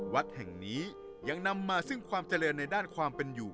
วัดแห่งนี้ยังนำมาซึ่งความเจริญในด้านความเป็นอยู่